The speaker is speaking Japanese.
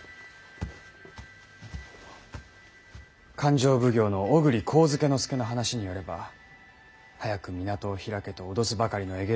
勘定奉行の小栗上野介の話によれば早く港を開けと脅すばかりのエゲレスと違い